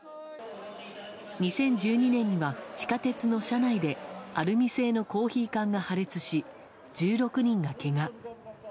２０１２年には、地下鉄の車内でアルミ製のコーヒー缶が破裂し１６人がけが。